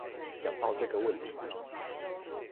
講到這個問題